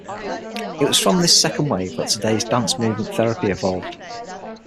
It was from this second wave that today's Dance Movement Therapy evolved.